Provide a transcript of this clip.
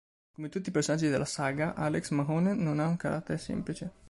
Come tutti i personaggi della saga, Alex Mahone non ha un carattere semplice.